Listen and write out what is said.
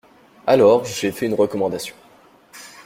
Alors, j’ai fait une recommandation.